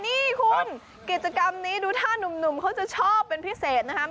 นี่คุณกิจกรรมนี้ดูท่านุ่มเขาจะชอบเป็นพิเศษนะครับ